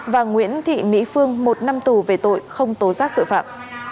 và nguyễn thị mỹ phương một năm tù về tội không tố giác tội phạm